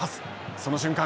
その瞬間